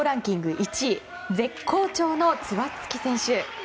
１位絶好調のクバツキ選手。